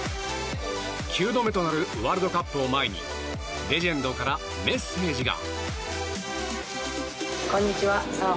９度目となるワールドカップを前にレジェンドから、メッセージが。